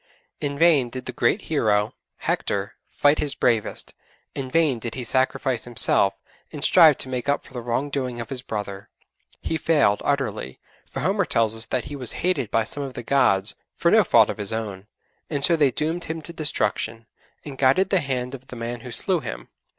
In vain did the great hero, Hector, fight his bravest; in vain did he sacrifice himself, and strive to make up for the wrong doing of his brother; he failed utterly, for Homer tells us that he was hated by some of the 'gods' for no fault of his own, and so they doomed him to destruction, and guided the hand of the man who slew him.